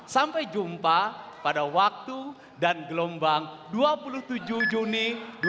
sampai jumpa pada waktu dan gelombang dua puluh tujuh juni dua ribu dua puluh